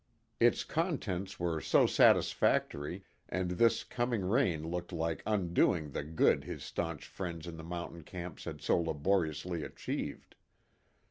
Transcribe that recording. Its contents were so satisfactory, and this coming rain looked like undoing the good his staunch friends in the mountain camps had so laboriously achieved.